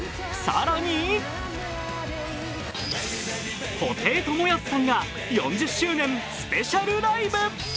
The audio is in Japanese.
更に布袋寅泰さんが４０周年スペシャルライブ。